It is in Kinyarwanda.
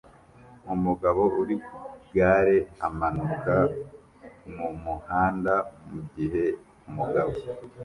Umugabo uri ku igare amanuka mu muhanda mu gihe umugabo